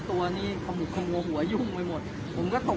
ตอนนี้กำหนังไปคุยของผู้สาวว่ามีคนละตบ